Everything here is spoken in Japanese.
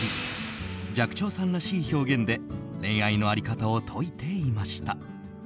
寂聴さんらしい表現で恋愛の在り方を説いていました。